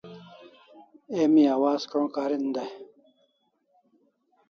Emi awaz ko'n' karin dai